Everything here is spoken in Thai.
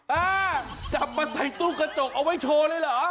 อ่าจับมาใส่ตู้กระจกเอาไว้โชว์เลยเหรอ